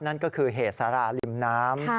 นั่นก็คือเหตุสาราริมน้ำ